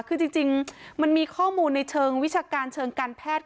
คือจริงมันมีข้อมูลในเชิงวิชาการเชิงการแพทย์